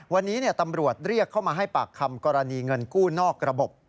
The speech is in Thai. วันนี้ตำรวจเรียกเข้ามาให้ปากคำกรณีเงินกู้นอกระบบ